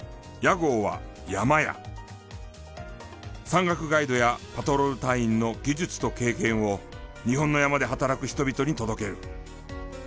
山岳ガイドやパトロール隊員の技術と経験を日本の山で働く人々に届ける。